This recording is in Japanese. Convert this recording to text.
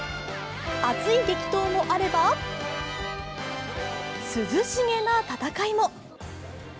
熱い激闘もあれば涼しげな戦いも。